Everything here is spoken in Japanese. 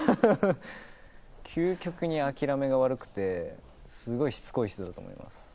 究極に諦めが悪くて、すごいしつこい人だと思います。